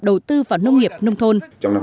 đầu tư vào nông nghiệp nông thôn